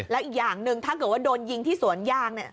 และอีกอย่างนึงถ้าเกิดว่าโดนยิงที่สวนยาง